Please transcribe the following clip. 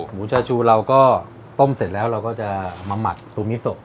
หมูชาชูเราก็ต้มเสร็จแล้วเราก็จะมาหมักตุมิโซ